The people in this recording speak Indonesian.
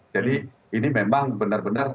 jadi ini memang benar benar